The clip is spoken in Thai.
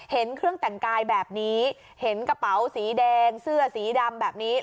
เห็นเครื่องแต่งกายแบบนี้เห็นกระเป๋าสีแดงเสื้อสีดำแบบนี้